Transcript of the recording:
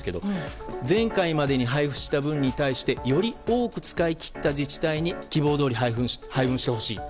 前回までに配布した分に対してより多く使い切った自治体に希望どおり配分してほしい。